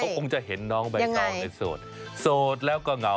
คงจะเห็นน้องใบตองในโสดโสดแล้วก็เหงา